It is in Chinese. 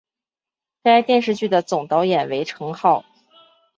该电视剧的总导演为成浩。